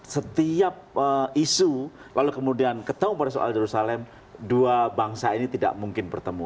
setiap isu lalu kemudian ketemu pada soal jerusalem dua bangsa ini tidak mungkin bertemu